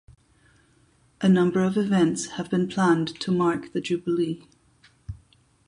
A number of events have been planned to mark the Jubilee.